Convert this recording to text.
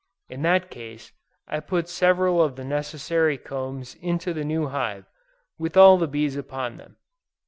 In that case, I put several of the necessary combs into the new hive, with all the bees upon them.